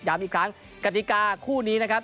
อีกครั้งกติกาคู่นี้นะครับ